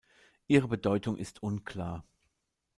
Ihre Bedeutung ist unklar.